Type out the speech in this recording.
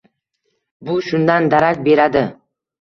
Bu shundan darak beradi.